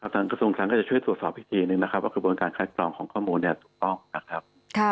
ทางกระทรวงศาลก็จะช่วยตรวจสอบพิธีหนึ่งนะครับว่าคือบริการคลักตรองของข้อมูลถูกต้องนะครับ